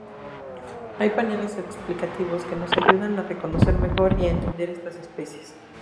Hay paneles explicativos que nos ayudan a reconocer mejor y a entender estas especies.